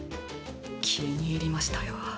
気に入りましたよ